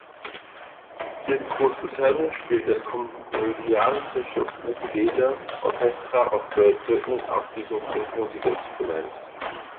In Großbritannien spielt das komödiantische Ukulele Orchestra of Great Britain auf diesem Musikinstrument.